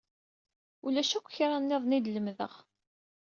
Ulac akk kra-nniḍen i d-lemdeɣ.